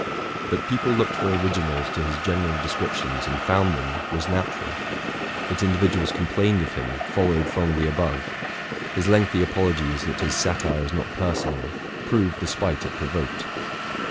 That people looked for originals to his general descriptions and found them, was natural; that individuals complained of him, followed from the above ; his lengthy apologies that his satire is not personal, prove the spite it provoked.